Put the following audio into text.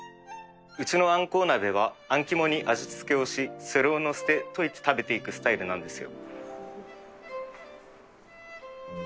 うちのあんこう鍋はあん肝に味付けをしそれをのせて溶いて食べていくスタイルなんですよ。